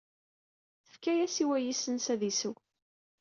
Tefka-as i wayis-nnes ad isew.